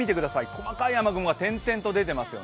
細かい雨雲が点々と出ています。